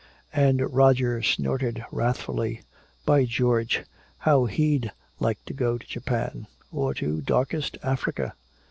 And Roger snorted wrathfully. By George, how he'd like to go to Japan or to darkest Africa!